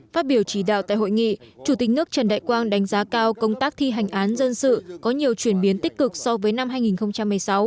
phát biểu chỉ đạo tại hội nghị chủ tịch nước trần đại quang đánh giá cao công tác thi hành án dân sự có nhiều chuyển biến tích cực so với năm hai nghìn một mươi sáu